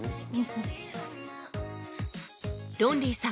ロンリーさん